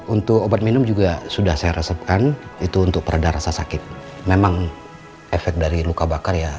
untuk obat minum juga sudah saya resepkan itu untuk peredar rasa sakit memang efek dari luka bakar ya